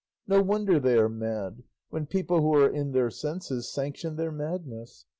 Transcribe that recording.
No wonder they are mad, when people who are in their senses sanction their madness!